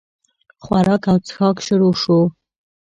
خوراک او چښاک شروع شو.